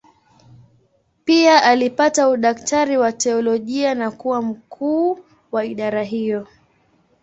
Pia alipata udaktari wa teolojia na kuwa mkuu wa idara hiyo.